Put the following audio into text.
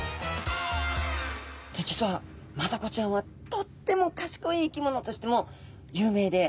実はマダコちゃんはとっても賢い生き物としても有名で。